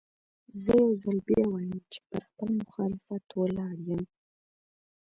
زه يو ځل بيا وايم چې پر خپل مخالفت ولاړ يم.